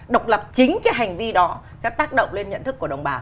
độc lập chính cái hành vi đó sẽ tác động lên nhận thức của đồng bào